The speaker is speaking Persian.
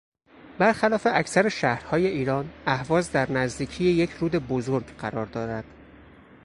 برخلاف اکثرشهرهای ایران اهواز در نزدیکی یک رود بزرگ قرار دارد.